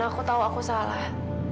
aku tahu aku salah